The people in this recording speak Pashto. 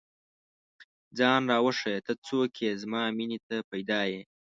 ځان راوښیه، ته څوک ئې؟ زما مینې ته پيدا ې